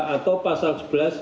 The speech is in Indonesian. atau pasal sebelas